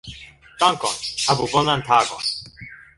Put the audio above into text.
Dankon. Havu bonan tagon.